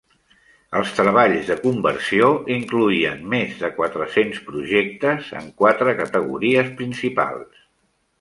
Els treballs de conversió incloïen més de quatre-cents projectes en quatre categories principals.